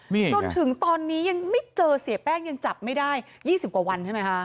จนถึงตอนนี้ยังไม่เจอเสียแป้งยังจับไม่ได้๒๐กว่าวันใช่ไหมคะ